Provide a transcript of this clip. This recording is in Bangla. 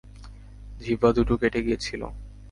জিহ্বা দুটো কেটে গিয়েছিল।